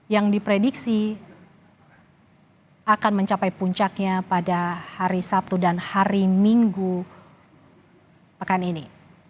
yang diprediksi akan mencapai puncaknya pada hari sabtu dan hari minggu pekan ini